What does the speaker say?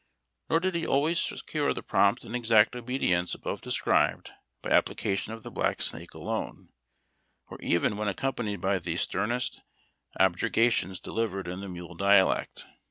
Nor OATS FOR SIX. did he always secure the prompt and exact obedience above described by applications of the Black Snake alone, or even when accompanied by tlie sternest objurgations delivered in the mule dialect.